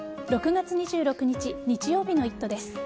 ６月２６日日曜日の「イット！」です。